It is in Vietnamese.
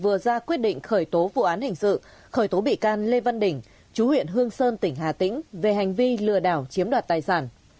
vừa ra quyết định khởi tố vụ án hình sự khởi tố bị can lê văn đỉnh chú huyện hương sơn tỉnh hà tĩnh về hành vi lừa đảo chiếm đoạt tài sản